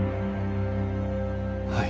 はい。